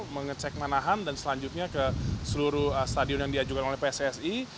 mengecek manahan dan selanjutnya ke seluruh stadion yang diajukan oleh pssi